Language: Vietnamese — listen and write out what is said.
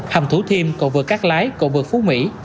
hầm thú thiêm cộng vực cát lái cộng vực phú mỹ